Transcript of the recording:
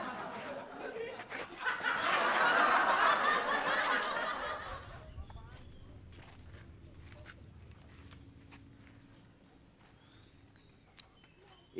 ini daerah padat yang sepi